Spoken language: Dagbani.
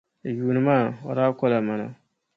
Yuuni maa, o daa kola mana.